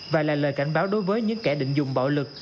và là lời cảnh báo đối với những kẻ định dùng bạo lực